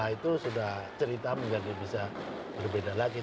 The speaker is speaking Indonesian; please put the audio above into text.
itu sudah cerita menjadi bisa berbeda lagi